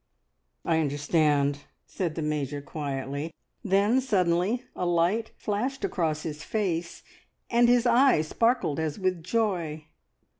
"I understand!" said the Major quietly, then suddenly a light flashed across his face, and his eyes sparkled as with joy.